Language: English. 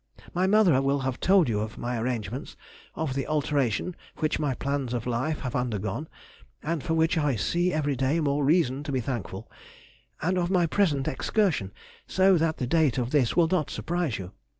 My mother will have told you of my arrangements,—of the alteration which my plans of life have undergone (and for which I see every day more reason to be thankful), and of my present excursion, so that the date of this will not surprise you.